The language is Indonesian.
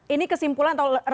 ini kesimpulan atau